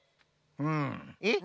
うん。えっ？